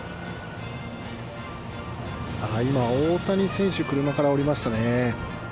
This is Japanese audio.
今、大谷選手、車から降りましたね。